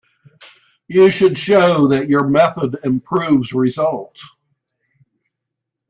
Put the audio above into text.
You should show that your method improves results.